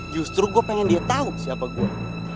justru gue pengen dia tahu siapa gue